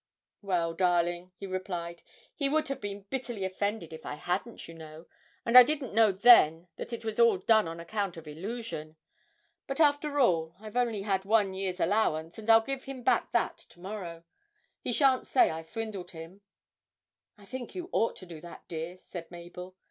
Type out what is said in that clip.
'Well, darling,' he replied, 'he would have been bitterly offended if I hadn't, you know, and I didn't know then that it was all done on account of "Illusion." But, after all, I've only had one year's allowance, and I'll give him back that to morrow. He shan't say I swindled him.' 'I think you ought to do that, dear,' said Mabel.